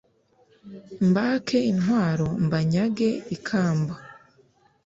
mbake intwaro mbanyage ikamba